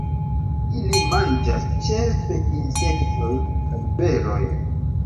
Ili manĝas ĉefe insektojn kaj berojn.